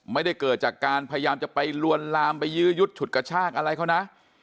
ไม่ได้เกิดจากการพยายามจะไปลวนลามไปยื้อยุดฉุดกระชากอะไรเขานะ